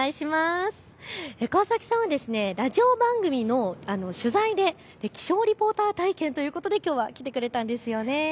川崎さんはラジオ番組の取材で気象リポーター体験ということできょうは来てくれたんですよね。